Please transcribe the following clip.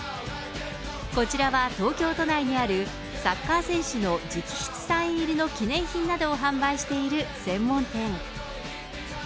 こちらは東京都内にあるサッカー選手の直筆サイン入りの記念品などを販売している専門店。